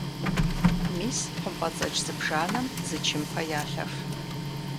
Мис хъумпӏэцӏэдж зыбжанэм зы чымпэ ялъэф.